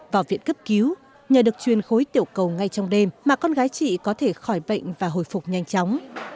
vào viện cấp cứu nhờ được chuyên khối tiểu cầu ngay trong đêm mà con gái chị có thể khỏi bệnh và hồi phục nhanh chóng